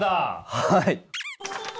はい。